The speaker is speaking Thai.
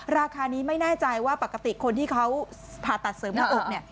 ราคานี้ไม่แน่ใจว่าปกติคนที่เขาผ่าตัดเสริมหน้าอก